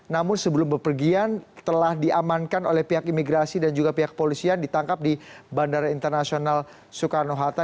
namun sebelum bepergian telah diamankan oleh pihak imigrasi dan juga pihak polisian ditangkap di bandara internasional soekarno hatta